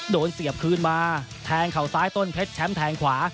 เสียบคืนมาแทงเข่าซ้ายต้นเพชรแชมป์แทงขวา